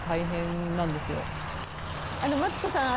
あのマツコさん。